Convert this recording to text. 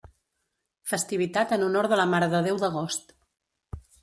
Festivitat en honor de la Mare de Déu d'Agost.